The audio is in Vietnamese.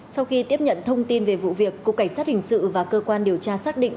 sau khi tiếp nhận thông tin về vụ việc cục cảnh sát hình sự và cơ quan điều tra xác định